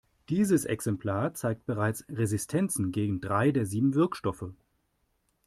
Dieses Exemplar zeigt bereits Resistenzen gegen drei der sieben Wirkstoffe.